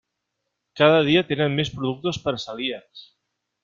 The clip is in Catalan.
Cada dia tenen més productes per a celíacs.